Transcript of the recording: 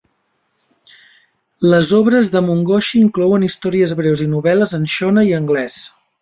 Les obres de Mungoshi inclouen històries breus i novel·les en shona i anglès.